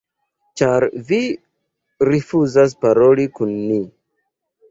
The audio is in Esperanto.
ĉar vi rifuzas paroli kun ni